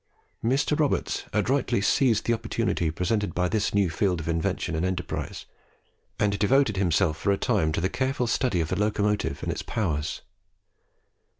Mr. Roberts adroitly seized the opportunity presented by this new field of invention and enterprise, and devoted himself for a time to the careful study of the locomotive and its powers.